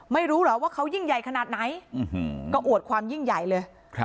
ไม่รู้เหรอว่าเขายิ่งใหญ่ขนาดไหนก็อวดความยิ่งใหญ่เลย